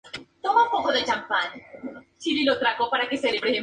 Estaban entre otros prelados, Mons.